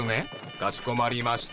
かしこまりました。